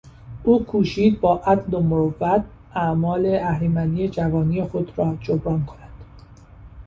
او کوشید با عدل و مروت اعمال اهریمنی جوانی خود را جبران کند.